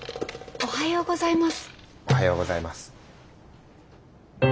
おはようございます。